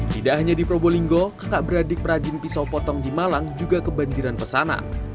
tidak hanya di probolinggo kakak beradik perajin pisau potong di malang juga kebanjiran pesanan